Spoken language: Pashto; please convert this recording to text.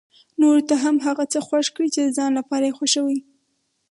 نورو ته هم هغه څه خوښ کړي چې د ځان لپاره يې خوښوي.